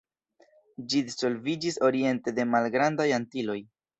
Ĝi disvolviĝis oriente de Malgrandaj Antiloj.